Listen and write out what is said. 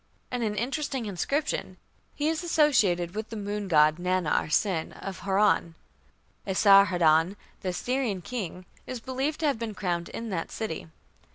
In an interesting inscription he is associated with the moon god Nannar (Sin) of Haran. Esarhaddon, the Assyrian king, is believed to have been crowned in that city.